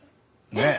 ねえ。